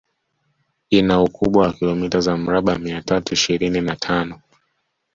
Ina ukubwa wa kilometa za mraba mia tatu ishirini na tano